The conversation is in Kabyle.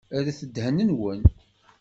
Rret ddhen-nwen.